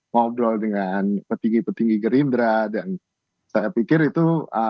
ngobrol dengan petinggi petinggi gerindra dan saya pikir itu